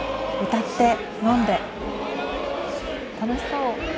歌って飲んで楽しそう。